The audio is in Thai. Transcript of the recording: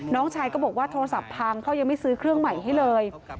น้องชายก็บอกว่าโทรศัพท์พังเขายังไม่ซื้อเครื่องใหม่ให้เลย